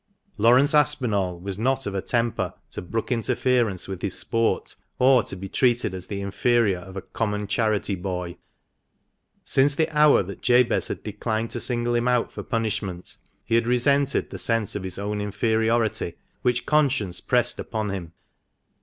Laurence Aspinall was not of a temper to brook interference with his sport, or to be treated as the inferior of a " common charity boy." Since the hour that Jabez had declined to single him out for punishment, he had resented the sense of his own inferiority, which conscience pressed upon him.